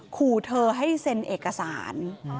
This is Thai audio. ขู่เธอให้เซ็นเอกสาร